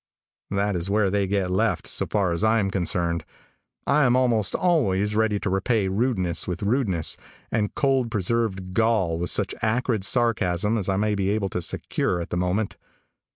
That is where they get left, so far as I am concerned. I am almost always ready to repay rudeness with rudeness, and cold preserved gall with such acrid sarcasm as I may be able to secure at the moment.